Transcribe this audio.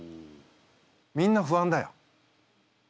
みんな不安だよ。